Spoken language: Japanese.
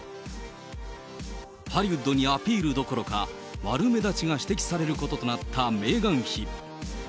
ハリウッドにアピールどころか、悪目立ちが指摘されることとなったメーガン妃。